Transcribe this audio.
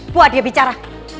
buat dia bicara